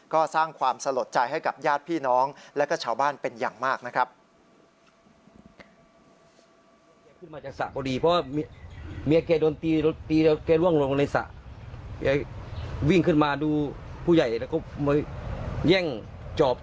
ก็สร้างความสลดใจให้กับญาติพี่น้องและก็ชาวบ้านเป็นอย่างมากนะครับ